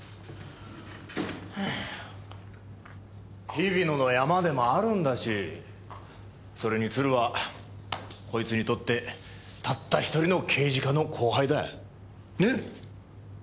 日比野のヤマでもあるんだしそれに鶴はこいつにとってたった１人の刑事課の後輩だ。ねぇ？